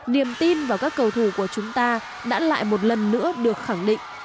niềm tin vào các cầu thủ của chúng ta đã lại một lần nữa được khẳng định